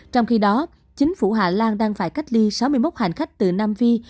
trong khi đó chính phủ hà lan đang phải cách ly sáu mươi một hành khách từ nam phi